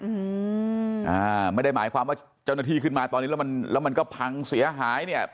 อืมอ่าไม่ได้หมายความว่าเจ้าหน้าที่ขึ้นมาตอนนี้แล้วมันแล้วมันก็พังเสียหายเนี่ย